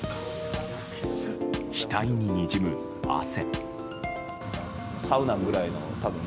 額ににじむ、汗。